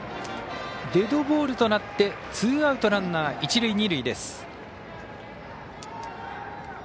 デッドボールとなってツーアウト、ランナー、一塁二塁。